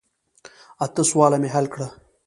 اته سواله مې حل کړه.